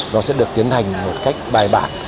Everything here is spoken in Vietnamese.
nó sẽ được tiến hành một cách bài bản